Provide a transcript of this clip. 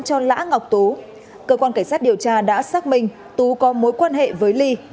cho lã ngọc tú cơ quan cảnh sát điều tra đã xác minh tú có mối quan hệ với ly